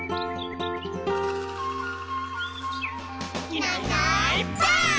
「いないいないばあっ！」